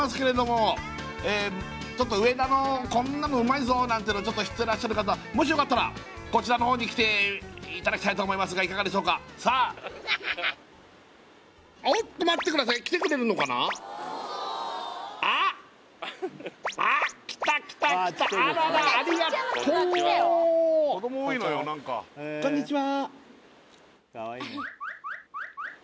ちょっと上田のこんなのうまいぞなんてのちょっと知ってらっしゃる方もしよかったらこちらのほうに来ていただきたいと思いますがいかがでしょうかさあ待ってください来た来た来たこんにちは